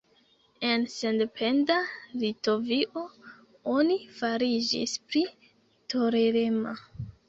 En sendependa Litovio oni fariĝis pli tolerema.